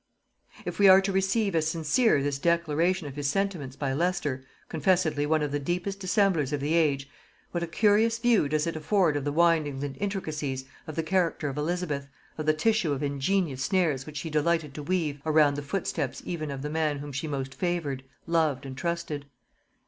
] If we are to receive as sincere this declaration of his sentiments by Leicester, confessedly one of the deepest dissemblers of the age, what a curious view does it afford of the windings and intricacies of the character of Elizabeth, of the tissue of ingenious snares which she delighted to weave around the foot steps even of the man whom she most favored, loved, and trusted!